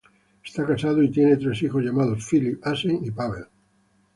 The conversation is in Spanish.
Está casado y tiene tres hijos llamados Filip, Asen y Pavel.